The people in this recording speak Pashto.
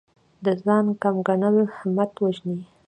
د ځان کم ګڼل همت وژني.